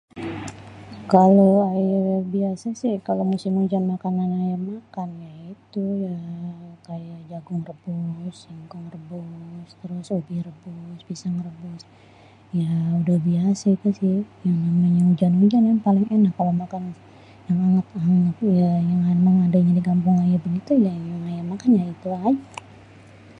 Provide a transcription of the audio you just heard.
kalo ayê biasa sih kalo musim ujan yang ayê makan kayak itu jagung rebus singkong rebus terus ubi rebus pisang rebus.. ya udah biasa itu namanya ujan-ujan paling ènak yang angêt-angêt.. ya èmang di kampung ayê adanya begitu yang ayê makan itu aja..